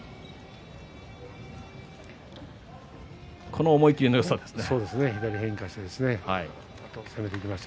この思い切りのよさですね。